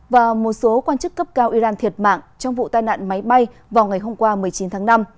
và một số quan chức cấp cao iran thiệt mạng trong vụ tai nạn máy bay vào ngày hôm qua một mươi chín tháng năm